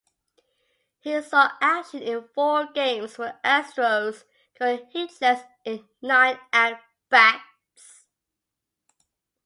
He saw action in four games for the Astros, going hitless in nine at-bats.